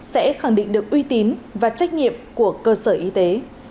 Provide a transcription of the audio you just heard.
sẽ khẳng định được uy tín và trách nhiệm của cơ sở y tế